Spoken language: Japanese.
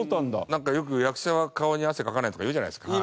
なんかよく「役者は顔に汗をかかない」とか言うじゃないですか。